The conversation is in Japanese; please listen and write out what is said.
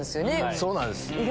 そうなんです